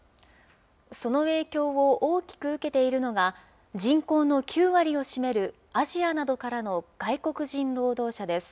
その影響を大きく受けているのが、人口の９割を占めるアジアなどからの外国人労働者です。